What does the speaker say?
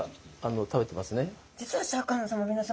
実はシャーク香音さま皆さま！